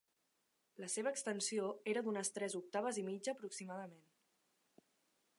La seva extensió era d'unes tres octaves i mitja aproximadament.